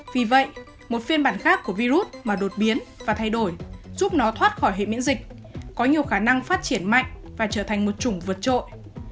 vì vậy một phiên bản khác của virus mà đột biến và thay đổi giúp nó thoát khỏi hệ miễn dịch có nhiều khả năng phát triển mạnh và trở thành một chủng vượt trội